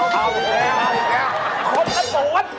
บคตะสวน